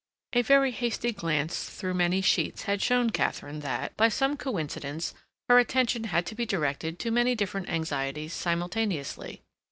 A very hasty glance through many sheets had shown Katharine that, by some coincidence, her attention had to be directed to many different anxieties simultaneously.